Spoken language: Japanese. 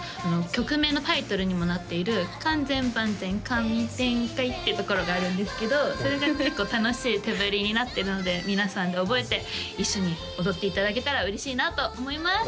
曲名のタイトルにもなっている完全万全神展開っていうところがあるんですけどそれが結構楽しい手振りになってるので皆さんで覚えて一緒に踊っていただけたら嬉しいなと思います